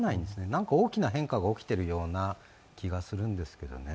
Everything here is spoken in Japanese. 何か大きな変化が起きているような気がするんですけどね。